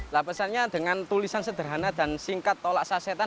lapasannya dengan tulisan sederhana dan singkat tolak sasetan